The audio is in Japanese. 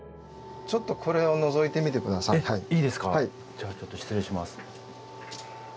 じゃあちょっと失礼します。